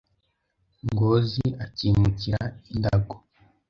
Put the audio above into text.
Ngozi akimukira i Ndago